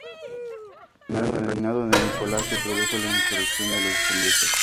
Durante el reinado de Nicolás se produjo la insurrección de los decembristas.